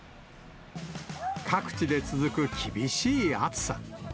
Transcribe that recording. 各地で続く厳しい暑さ。